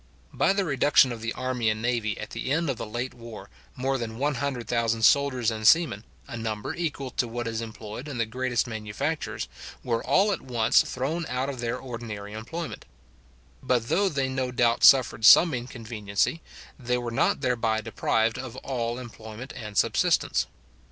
By the reduction of the army and navy at the end of the late war, more than 100,000 soldiers and seamen, a number equal to what is employed in the greatest manufactures, were all at once thrown out of their ordinary employment: but though they no doubt suffered some inconveniency, they were not thereby deprived of all employment and subsistence.